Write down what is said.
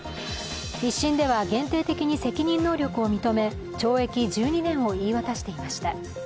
一審では限定的に責任能力を認め、懲役１２年を言い渡していました。